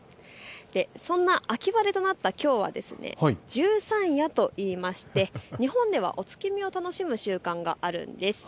そんな秋晴れとなったきょう、十三夜といいまして日本でもお月見を楽しむ習慣があるんです。